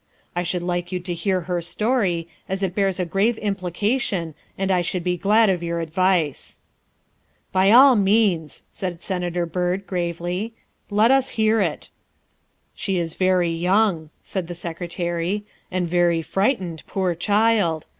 I should like you to hear her story, as it bears a grave implication and I should be glad of your advice." " By all means," said Senator Byrd gravely, " let us hear it." " She is very young," said the Secretary, " and very frightened, poor child.